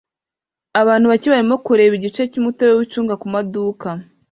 Abantu bake barimo kureba igice cyumutobe wicunga kumaduka